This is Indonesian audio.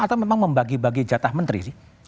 atau memang membagi bagi jatah menteri sih